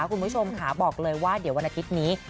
คุณผู้ชมค่ะบอกเลยว่าเดี๋ยววันอาทิตย์นี้